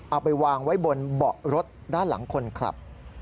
เอาไปวางไว้บนเบาะรถด้านหลังคนขับ